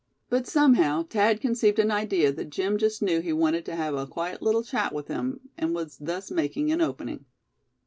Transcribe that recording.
But somehow Thad conceived an idea that Jim just knew he wanted to have a quiet little chat with him; and was thus making an opening.